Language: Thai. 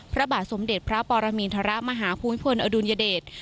พระบาทสมเด็จพระปรมินทรมาฮภูมิพลอดุลยเดช